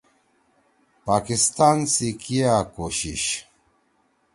پاکستان سی کیا کوشش